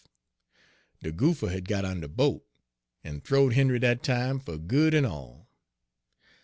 De goopher had got de under bolt, en th'owed Henry dat time fer good en all.